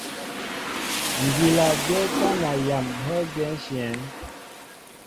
Ŋgíla dyɛ kana yam heé diɛnshɛŋ.